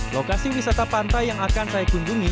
lokasi wisata pantai yang akan saya kunjungi